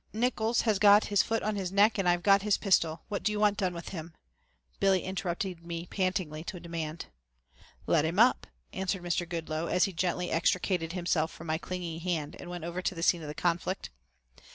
Nickols has got his foot on his neck and I've got his pistol. What do you want done with him?" Billy interrupted me pantingly to demand. "Let him up," answered Mr. Goodloe, as he gently extricated himself from my clinging hand and went over to the scene of the conflict.